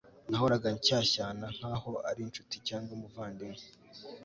nahoraga nshyashyana nk'aho ari incuti cyangwa umuvandimwe